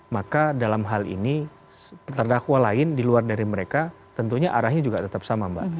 maka dalam hal ini terdakwa lain di luar dari mereka tentunya arahnya juga tetap sama mbak